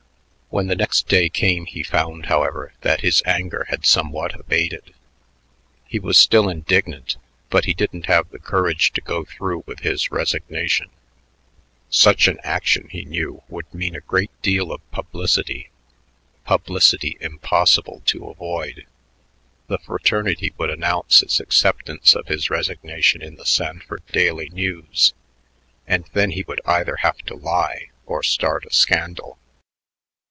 When the next day came he found, however, that his anger had somewhat abated. He was still indignant, but he didn't have the courage to go through with his resignation. Such an action, he knew, would mean a great deal of publicity, publicity impossible to avoid. The fraternity would announce its acceptance of his resignation in "The Sanford Daily News"; and then he would either have to lie or start a scandal.